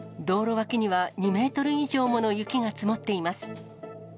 道路脇には２メートル以上もの雪が積もっています。